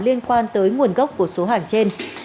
liên quan tới nguồn gốc của số hàng trên